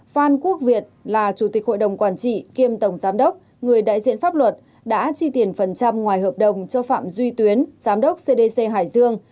phan quốc việt là chủ tịch hội đồng quản trị kiêm tổng giám đốc người đại diện pháp luật đã chi tiền phần trăm ngoài hợp đồng cho phạm duy tuyến giám đốc cdc hải dương